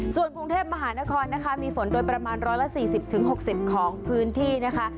ส่วนภูเทพฯมหานครนะคะมีฝนโดยประมาณร้อยละสี่สิบถึงหกสิบของพื้นที่นะคะ